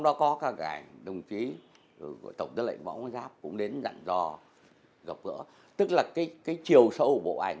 những hình ảnh đồng chí của tổng giám đốc cũng đến dặn do gặp gỡ tức là cái chiều sâu của bộ ảnh